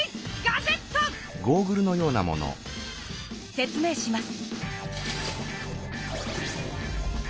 説明します。